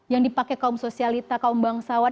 yang dipakai kaum sosialita kaum bangsawan